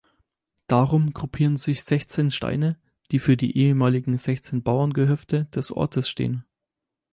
Darum gruppieren sich sechzehn Steine, die für die ehemaligen sechzehn Bauerngehöfte des Ortes stehen.